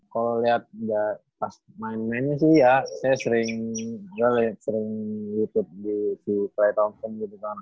kalau lihat pas main mainnya sih ya saya sering youtube ke klay thompson gitu kan